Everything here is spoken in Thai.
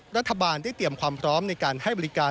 รัฐบาลได้เตรียมความพร้อมในการให้บริการ